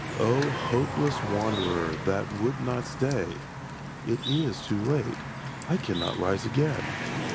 O hopeless wanderer that would not stay, ("It is too late, I cannot rise again!")